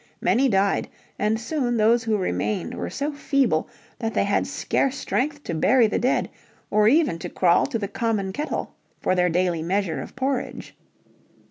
Many died, and soon those who remained were so feeble that they had scarce strength to bury the dead or even to crawl to the "common kettle" for their daily measure of porridge.